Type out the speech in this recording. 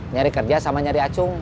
nyari kerja sama nyari acung